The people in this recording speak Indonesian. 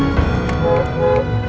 ya kita berhasil